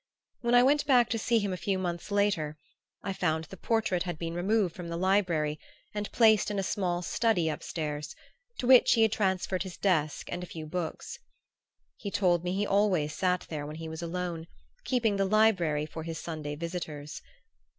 When I went back to see him a few months later I found the portrait had been removed from the library and placed in a small study up stairs, to which he had transferred his desk and a few books. He told me he always sat there when he was alone, keeping the library for his Sunday visitors.